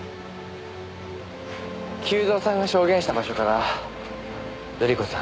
久造さんが証言した場所から瑠璃子さん